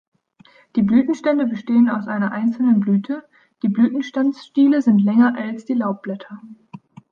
Die Blütenstände bestehen aus einer einzelnen Blüte, die Blütenstandsstiele sind länger als die Laubblätter.